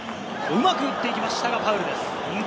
うまく打っていきましたが、ファウルです。